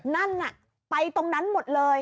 นั่นน่ะไปตรงนั้นหมดเลย